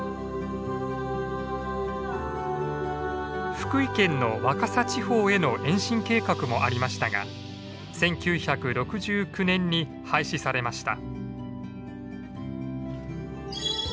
福井県の若狭地方への延伸計画もありましたが１９６９年に廃止されました。